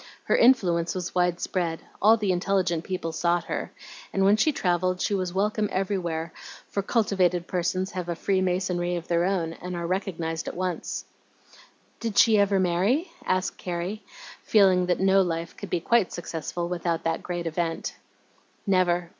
Her influence was wide spread; all the intelligent people sought her, and when she travelled she was welcome everywhere, for cultivated persons have a free masonry of their own, and are recognized at once." "Did she ever marry?" asked Carrie, feeling that no life could be quite successful without that great event. "Never.